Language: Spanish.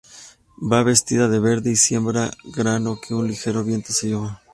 Va vestida de verde y siembra grano que un ligero viento se lleva.